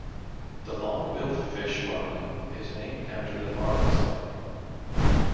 The long-billed fish marlin is named after the marlinspike.